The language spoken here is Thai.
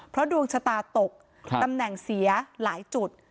เพราะดวงชะตาตกตำแหน่งเสียหลายจุด